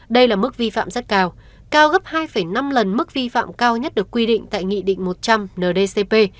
đây là mức vi phạm rất cao cao gấp hai năm lần mức vi phạm cao nhất được quy định tại nghị định một trăm linh ndcp